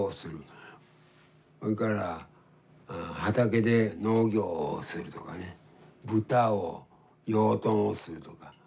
それから畑で農業をするとかね豚を養豚をするとか。